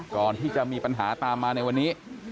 ก่อนที่จะมีปัญหาตามมาในวันนี้